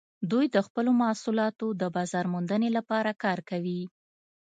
دوی د خپلو محصولاتو د بازارموندنې لپاره کار کوي